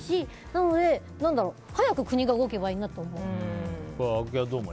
なので、早く国が動けばいいなって思う。